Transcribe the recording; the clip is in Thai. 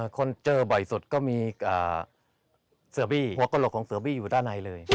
คนเจอบ่อยสุดก็มีเสือบี้หัวกระโหลกของเสือบี้อยู่ด้านในเลย